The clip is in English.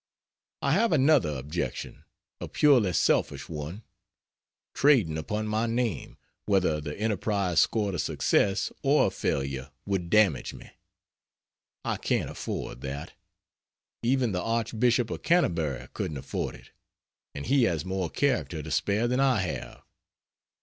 I have another objection, a purely selfish one: trading upon my name, whether the enterprise scored a success or a failure would damage me. I can't afford that; even the Archbishop of Canterbury couldn't afford it, and he has more character to spare than I have.